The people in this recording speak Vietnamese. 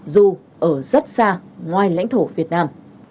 dù ở rất xa ngoài lãnh thổ việt nam